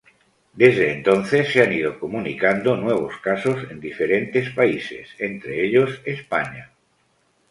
Desde entonces, se han ido comunicando nuevos casos en diferentes países, entre ellos España.